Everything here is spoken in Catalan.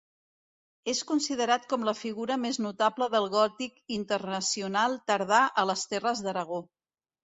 És considerat com la figura més notable del gòtic internacional tardà a les terres d'Aragó.